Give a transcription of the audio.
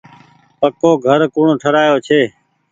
پڪو گھر ڪوڻ ٺرآيو ڇي۔